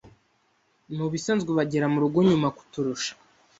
Mubisanzwe bagera murugo nyuma kuturusha.